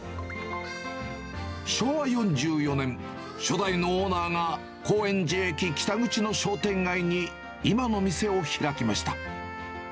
昭和４４年、初代のオーナーが高円寺駅北口の商店街に今の店を開きました。